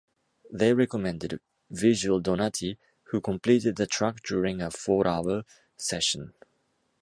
They recommended Virgil Donati, who completed the track during a four-hour session.